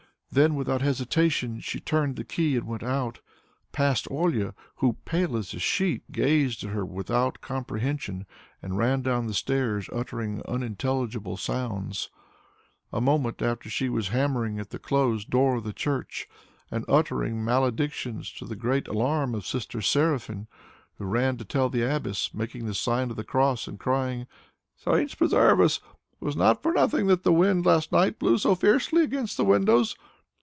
Then without hesitation she turned the key, went out, passed Olia who, pale as a sheet, gazed at her without comprehension and ran down the stairs uttering unintelligible sounds. A moment after she was hammering at the closed door of the church and uttering maledictions to the great alarm of Sister Seraphine, who ran to tell the abbess, making the sign of the cross and crying, "Saints preserve us! It was not for nothing that the wind last night blew so fiercely against the windows.